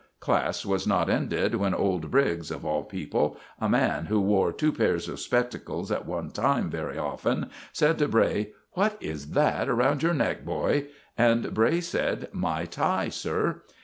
Class was just ended, when old Briggs, of all people a man who wore two pairs of spectacles at one time very often said to Bray: "What is that round your neck, boy?" And Bray said: "My tie, sir."